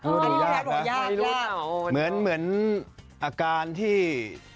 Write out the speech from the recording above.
ดูยากนะเหมือนเหมือนอาการที่